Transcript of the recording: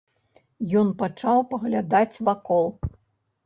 Ён пачаў паглядаць вакол.